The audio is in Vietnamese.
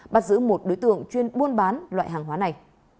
bắt giữ một đối tượng chuyên buôn bán loại hàng hóa này